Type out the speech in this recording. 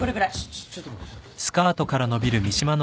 ちょちょっと待って。